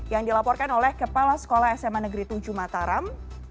yang dilaporkan oleh kepala sekolah sma negeri tujuh mataram